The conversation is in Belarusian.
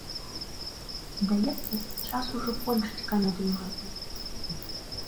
Здаецца, час ужо кончыць камедыю гэту.